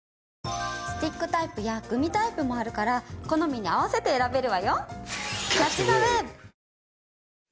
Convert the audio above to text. スティックタイプやグミタイプもあるから好みに合わせて選べるわよ。